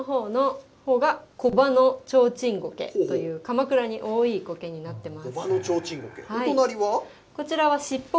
こちらの若草色のほうがコバノチョウチンゴケという鎌倉に多いコケになってます。